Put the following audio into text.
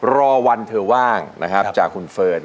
รอวันเธอว่างนะครับจากคุณเฟิร์น